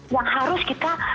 yang harus kita